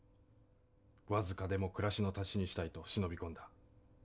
わずかでも暮らしの足しにしたいと忍び込んだ。